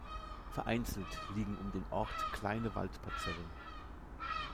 Vereinzelt liegen um den Ort kleine Waldparzellen.